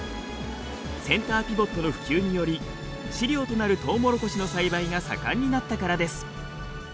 センターピボットの普及により飼料となるとうもろこしの栽培が盛んになったからです。